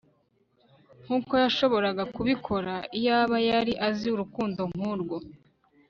nkuko yashoboraga kubikora, iyaba yari azi urukundo nkurwo